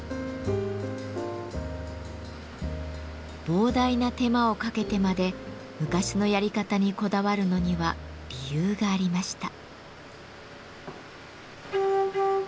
膨大な手間をかけてまで昔のやり方にこだわるのには理由がありました。